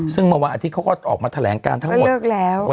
ซึ่งเมื่อวันอาทิตย์เขาก็ออกมาแถลงการทั้งหมดเลิกแล้ว